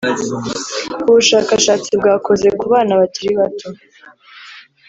Ubushakashatsi bwakozwe ku bana bakiri bato